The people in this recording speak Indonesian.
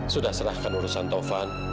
sudah serahkan urusan taufan